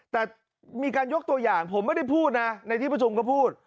แต่มีการยกตัวอย่างผมไม่ได้พูดนะในที่ประชุมก็พูด